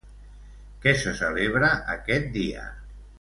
Què se celebra aquest dia?